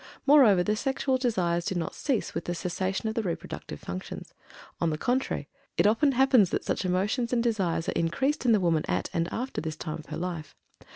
Moreover, the sexual desires do not cease with the cessation of the reproductive functions. On the contrary, it often happens that such emotions and desires are increased in the woman at, and after, this time of her life.